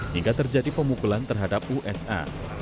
hingga terjadi pemukulan terhadap usa